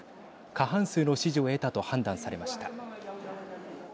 過半数の支持を得たと判断されました。